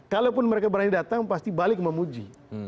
kalaupun mereka berani datang pasti balik memuji